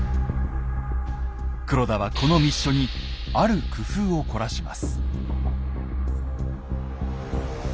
黒田はこの密書にある工夫を凝らします。